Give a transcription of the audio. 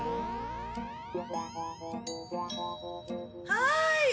はい。